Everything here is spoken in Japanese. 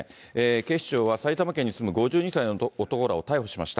警視庁は埼玉県に住む５２歳の男を逮捕しました。